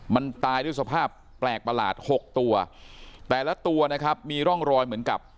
มันตายด้วยสภาพแปลกประหลาดหกตัวแต่ละตัวนะครับมีร่องรอยเหมือนกับ